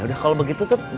ya udah kalau begitu tuh